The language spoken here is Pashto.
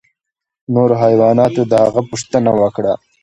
نورو حیواناتو د هغه پوښتنه وکړه.